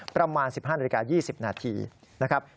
ประมาณ๑๕นาที๒๐นาที